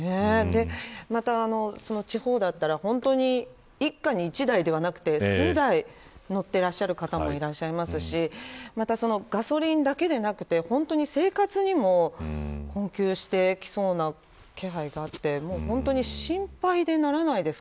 また、地方だったら本当に一家に１台ではなく数台乗ってらっしゃる方もいらっしゃいますしガソリンだけではなくて生活にも困窮してきそうな気配があって本当に心配でならないです。